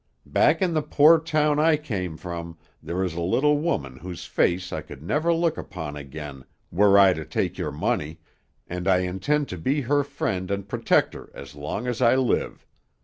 Back in the poor town I came from there is a little woman whose face I could never look upon again were I to take your money, and I intend to be her friend and protector as long as I live.